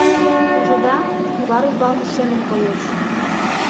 Ужыда, кӱвар ӱмбалне шемын коеш?